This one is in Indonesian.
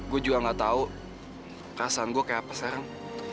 gue juga nggak tau perasaan gue kaya apa sekarang